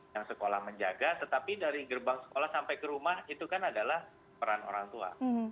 yang sekolah menjaga tetapi dari gerbang sekolah sampai ke rumah itu kan adalah peran orang tua